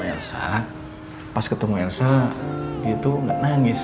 elsa pas ketemu elsa dia tuh nggak nangis